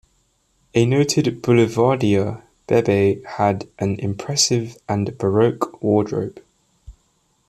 A noted "boulevardier", Beebe had an impressive and baroque wardrobe.